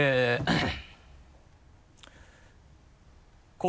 はい。